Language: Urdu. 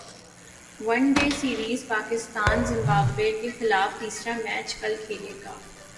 ون ڈے سیریزپاکستان زمبابوے کیخلاف تیسرا میچ کل کھیلے گا